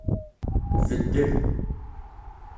Tbeddel.